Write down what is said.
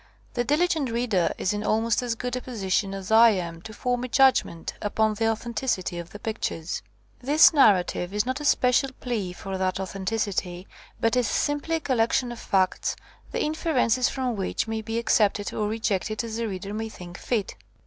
The diligent reader is in almost as good a position as I am to form a judgment upon the authenticity of the pictures. This narrative is not a special plea for that au thenticity, but is simply a collection of facts the inferences from which may be accepted or rejected as the reader may think fit.